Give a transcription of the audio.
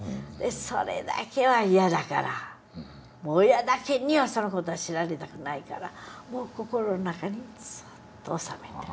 それだけは嫌だから親だけにはその事は知られたくないから心の中にそっと収めて。